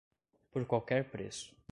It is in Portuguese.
Por qualquer preço.